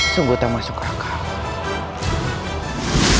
sungguh tak masuk akal